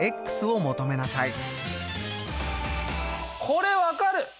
これ分かる！